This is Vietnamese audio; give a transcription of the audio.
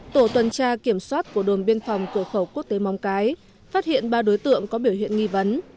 tổ tuần tra kiểm soát của đồn biên phòng cửa khẩu quốc tế móng cái phát hiện ba đối tượng có biểu hiện nghi vấn